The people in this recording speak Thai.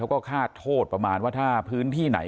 ก็คาดโทษประมาณว่าถ้าพื้นที่ไหน